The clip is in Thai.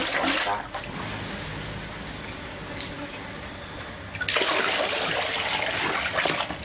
พร้อมทุกสิทธิ์